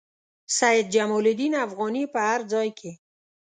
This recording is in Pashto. سید جمال الدین افغاني په هر ځای کې.